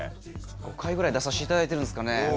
５回ぐらい出させていただいてるんですかね。